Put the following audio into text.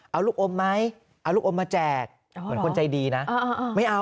เอาลูกอมไหมเอาลูกอมมาแจกเหมือนคนใจดีนะไม่เอา